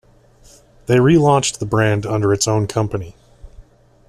They relaunched the brand under its own company.